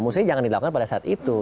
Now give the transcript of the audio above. maksudnya jangan dilakukan pada saat itu